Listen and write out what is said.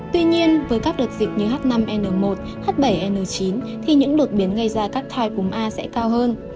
tuy nhiên với các đợt dịch như h năm n một h bảy n chín thì những đột biến gây ra các thai cúm a sẽ cao hơn